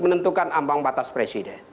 menentukan ambang batas presiden